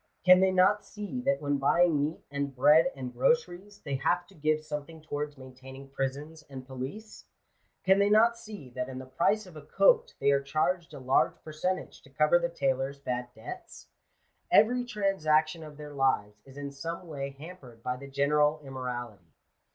Can they not see that when buying meat and bread and groceries, they have to give some thing towards maintaining prisons and police ? Can they not see that in the price of a coat they are charged a large per centage to cover the tailor's bad debts ? Every transaction of their lives is in some way hampered by the general immorality.